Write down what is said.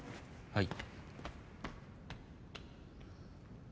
はい！